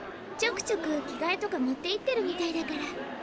ちょくちょく着がえとか持っていってるみたいだから。